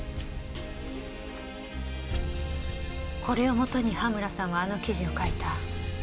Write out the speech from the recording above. これをもとに羽村さんはあの記事を書いた。